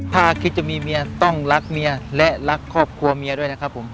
ถ้าคิดจะมีเมียต้องรักเมียและรักครอบครัวเมียด้วยนะครับผม